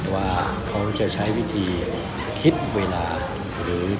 ว่าเขาจะใช้วิธีคิดเวลาหรือจำนวนคน